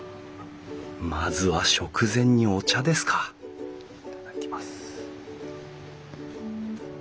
まずは食前にお茶ですか頂きます。